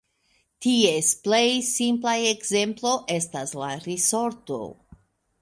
Ties plej simpla ekzemplo estas la risorto.